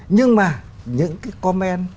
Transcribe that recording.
nhưng mà những cái comment